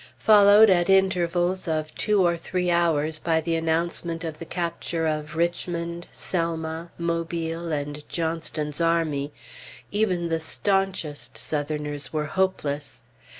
Followed at intervals of two or three hours by the announcement of the capture of Richmond, Selma, Mobile, and Johnston's army, even the stanchest Southerners were hopeless.